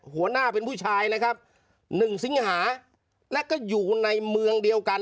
หัวหน้าเป็นผู้ชายนะครับ๑สิงหาและก็อยู่ในเมืองเดียวกัน